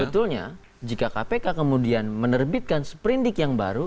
sebetulnya jika kpk kemudian menerbitkan seprindik yang baru